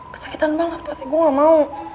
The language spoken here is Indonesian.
kesakitan banget pasti gue gak mau